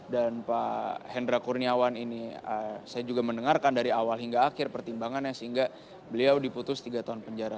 dan pak hendra kurniawan ini saya juga mendengarkan dari awal hingga akhir pertimbangannya sehingga beliau diputus tiga tahun penjara